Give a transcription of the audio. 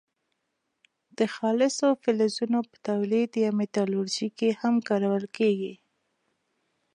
د خالصو فلزونو په تولید یا متالورجي کې هم کارول کیږي.